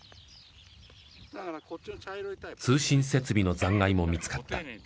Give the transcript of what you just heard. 通信設備の残骸も見つかった。